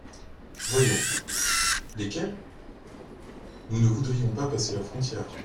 Voyons ; lesquelles ? »Nous ne voudrions pas passer la frontière.